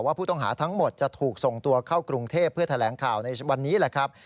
ผู้ต้องหาทั้งหมดจะถูกส่งตัวเข้ากรุงเทพเพื่อแถลงข่าวในวันนี้แหละครับ